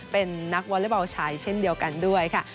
เป็นนักวอเล็กบอลชายเช่นเดียวกันด้วยค่ะ